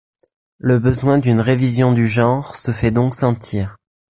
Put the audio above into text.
Le besoin d'une révision du genre se fait donc sentir.